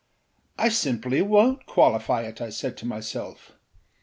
âI simply wonât qualify it,â I said to myself.